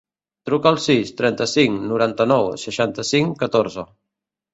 Truca al sis, trenta-cinc, noranta-nou, seixanta-cinc, catorze.